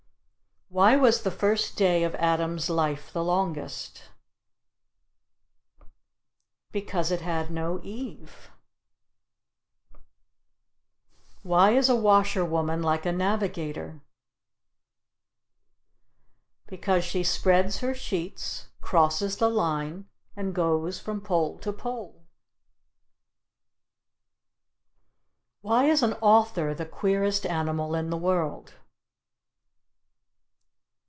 Why was the first day of Adam's life the longest? Because it had no Eve. Why is a washerwoman like a navigator? Because she spreads her sheets, crosses the line, and goes from pole to pole. Why is an author the queerest animal in the world?